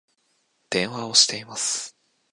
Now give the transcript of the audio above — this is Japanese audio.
電話をしています